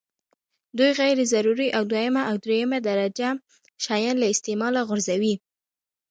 دوی غیر ضروري او دویمه او درېمه درجه شیان له استعماله غورځوي.